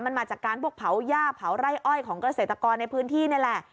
มันมาจากการพวกเผาหญ้าเผาไร่อ้อยของเกษตรกรในพื้นที่นี่แหละ